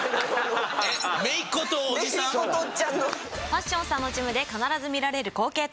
パッションさんのジムで必ず見られる光景とは？